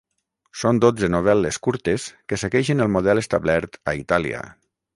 Són dotze novel·les curtes que segueixen el model establert a Itàlia.